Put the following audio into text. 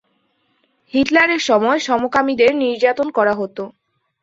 হিটলারের সময়ে সমকামীদের নির্যাতন করা হত।